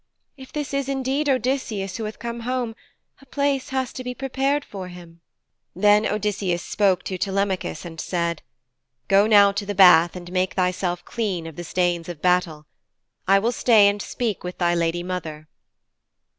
If this is indeed Odysseus who hath come home, a place has to be prepared for him.' Then Odysseus spoke to Telemachus and said, 'Go now to the bath, and make thyself clean of the stains of battle. I will stay and speak with thy lady mother.'